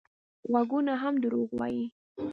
غږونه هم دروغ وايي